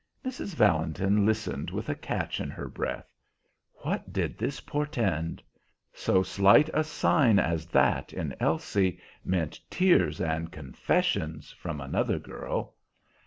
Mrs. Valentin listened with a catch in her breath. What did this portend? So slight a sign as that in Elsie meant tears and confessions from another girl.